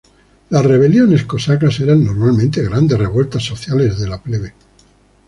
Las rebeliones cosacas eran normalmente grandes revueltas sociales de la plebe.